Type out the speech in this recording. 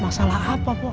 masalah apa pok